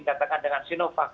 katakan dengan sinovac